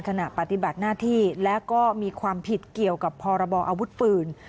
ขณะปฏิบัติหน้าที่และก็มีความผิดเกี่ยวกับพรบออาวุธปืน